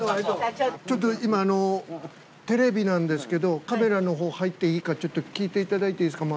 ちょっと今テレビなんですけどカメラの方入っていいか聞いていただいていいですか？